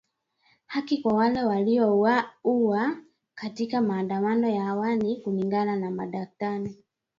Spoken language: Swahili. Haki kwa wale waliouawa katika maandamano ya awali kulingana na madaktari.